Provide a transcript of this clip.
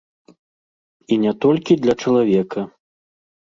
І не толькі для чалавека.